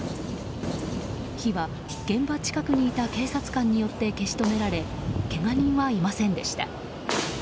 火は現場近くにいた警察官によって消し止められけが人はいませんでした。